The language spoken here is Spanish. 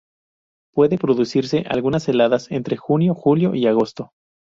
Puede producirse algunas heladas entre Junio, Julio y Agosto.